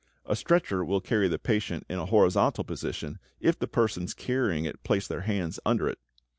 A stretcher will carry the patient in a horizontal position if the persons carrying it place their hands under it.